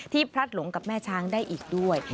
พลัดหลงกับแม่ช้างได้อีกด้วย